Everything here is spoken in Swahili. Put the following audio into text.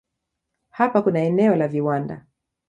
Hapa kuna eneo la viwanda.